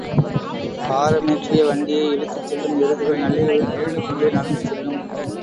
பாரமேற்றிய வண்டியை இழுத்துச் செல்லும் எருதுகள் நள்ளிரவில் தூங்கிக்கொண்டே நடந்து செல்லும்.